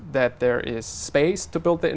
và có thể gặp chính phủ